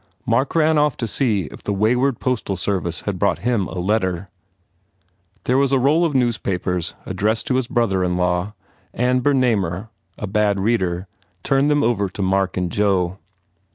Mark ran off to see if the wayward postal service had brought him a letter. There was a roll of newspapers addressed to his brother in law and Bernamer, a bad reader, turned them over to Mark and Joe.